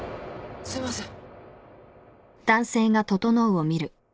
すいません！